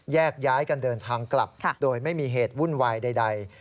แยกย้ายกันเดินทางกลับโดยไม่มีเหตุวุ่นวายใด